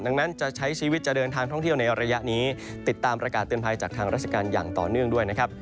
ดังนั้นจะใช้ชีวิตจะเดินทางท่องเที่ยวในระยะนี้ติดตามประกาศเตือนภัยจากทางราชการอย่างต่อเนื่องด้วยนะครับ